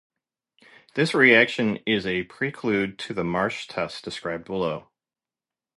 This reaction is a prelude to the Marsh test, described below.